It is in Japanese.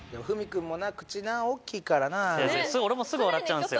俺もすぐ笑っちゃうんすよ